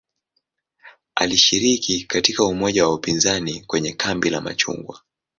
Alishiriki katika umoja wa upinzani kwenye "kambi la machungwa".